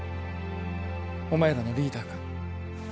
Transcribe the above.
お前らのリーダーか？